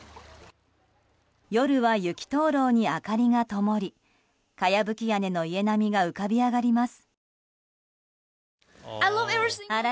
夜は雪灯籠に明かりがともりかやぶき屋根の家並みが浮かび上がります。